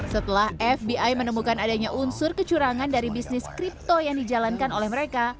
setelah fbi menemukan adanya unsur kecurangan dari bisnis kripto yang dijalankan oleh mereka